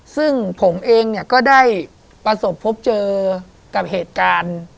ซึ่งผมเองเนี่ยก็ได้ประสบพบเจอกับเหตุการณ์